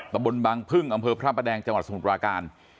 ตะบนบังพึ่งอำเภอพระประแดงจังหวัดสมุทรปราการ